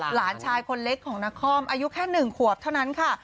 หลานชายคนเล็กของนครอายุแค่๑ขวบเท่านั้นค่ะ